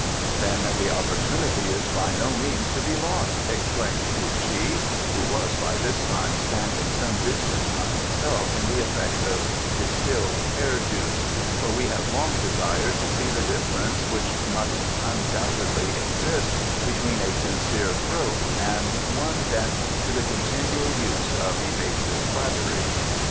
"Then the opportunity is by no means to be lost," exclaimed Fuh chi, who was by this time standing some distance from himself in the effects of distilled pear juice; "for we have long desired to see the difference which must undoubtedly exist between a sincere throat and one bent to the continual use of evasive flattery."